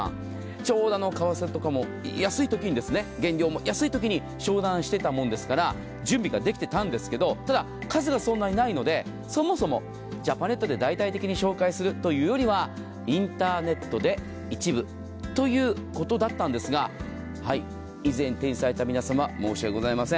ちょうど為替とかも安いときに原料も安いときに商談していたものですから準備ができていたんですが数がそんなにないのでそもそもジャパネットで大々的に紹介するというよりはインターネットで一部ということだったんですが以前、手にされた皆様申しわけございません。